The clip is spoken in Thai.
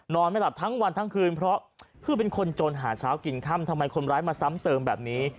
ไม่หลับทั้งวันทั้งคืนเพราะคือเป็นคนจนหาเช้ากินค่ำทำไมคนร้ายมาซ้ำเติมแบบนี้